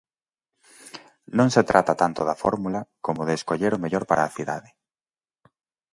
Non se trata tanto da fórmula como de escoller o mellor para a cidade.